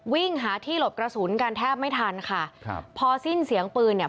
วิ่งหาที่หลบกระสุนกันแทบไม่ทันค่ะครับพอสิ้นเสียงปืนเนี่ย